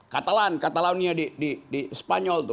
katalan katalonia di spanyol